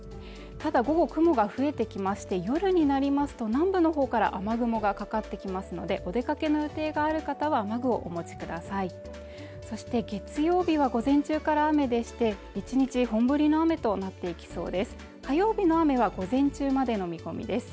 ただ午後雲が増えてきまして夜になりますと南部のほうから雨雲がかかってきますのでお出かけの予定がある方は雨具をお持ちくださいそして月曜日は午前中から雨でして１日本降りの雨となっていきそうで火曜日の雨は午前中までの見込みです